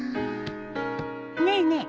ねえねえ